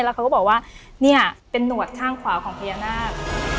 แล้วเขาก็บอกว่าเนี่ยเป็นหนวดข้างขวาของพญานาค